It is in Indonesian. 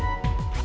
gitu ya setepan